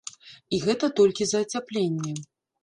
І гэта толькі за ацяпленне.